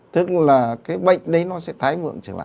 tức là cái bệnh đấy nó sẽ tái vượng trở lại